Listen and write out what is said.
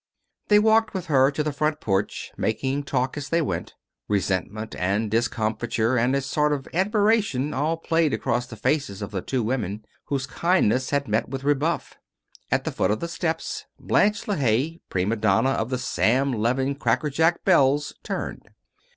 They walked with her to the front porch, making talk as they went. Resentment and discomfiture and a sort of admiration all played across the faces of the two women, whose kindness had met with rebuff. At the foot of the steps Blanche LeHaye, prima donna of the Sam Levin Crackerjack Belles turned.